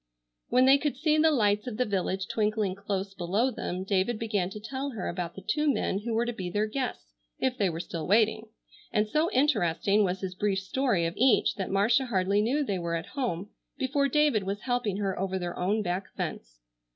When they could see the lights of the village twinkling close below them David began to tell her about the two men who were to be their guests, if they were still waiting, and so interesting was his brief story of each that Marcia hardly knew they were at home before David was helping her over their own back fence.